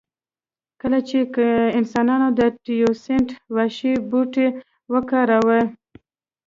کله چې انسانانو د تیوسینټ وحشي بوټی وکاراوه